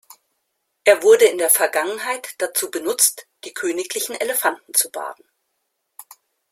Er wurde in der Vergangenheit dazu benutzt, die königlichen Elefanten zu baden.